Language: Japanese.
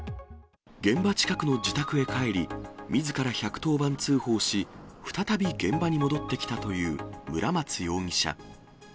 現場近くの自宅へ帰り、みずから１１０番通報し、再び現場に戻ってきたという村松容疑者。